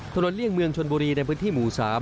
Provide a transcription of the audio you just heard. เลี่ยงเมืองชนบุรีในพื้นที่หมู่๓